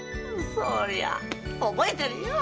そりゃ覚えてるよ！